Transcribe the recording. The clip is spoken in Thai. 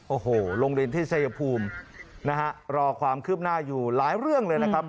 โอ้โหโรงเรียนที่ชายภูมินะฮะรอความคืบหน้าอยู่หลายเรื่องเลยนะครับ